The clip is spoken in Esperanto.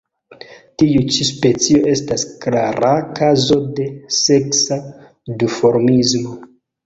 Tiu ĉi specio estas klara kazo de seksa duformismo.